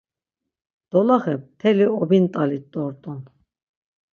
Doloxe mteli obint̆alit dort̆un.